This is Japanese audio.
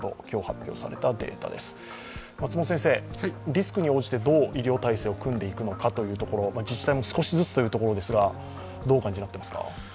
リスクに応じて、どう医療体制を組んでいくのかというところ、自治体も少しずつというところですが、どうお感じになってますか？